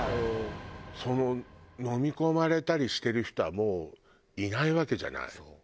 のみ込まれたりしてる人はもういないわけじゃない？